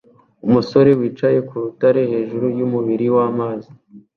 Umusore wicaye ku rutare hejuru yumubiri wamazi